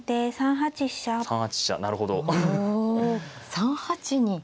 ３八に。